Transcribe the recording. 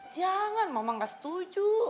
jangan mama nggak setuju